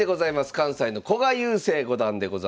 関西の古賀悠聖五段でございます。